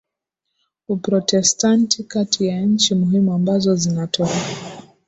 Uprotestanti Kati ya nchi muhimu ambazo zinatoa